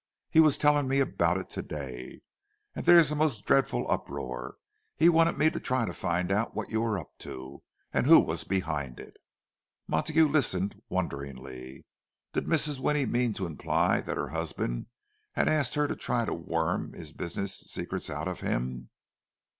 He was telling me about it to day—there's a most dreadful uproar. He wanted me to try to find out what you were up to, and who was behind it." Montague listened, wonderingly. Did Mrs. Winnie mean to imply that her husband had asked her to try to worm his business secrets out of him?